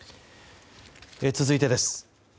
続いてです。